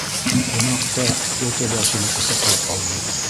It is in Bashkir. Ҡунаҡ та тетя Дашаны ҡосаҡлап алды.